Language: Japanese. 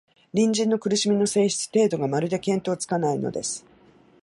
隣人の苦しみの性質、程度が、まるで見当つかないのです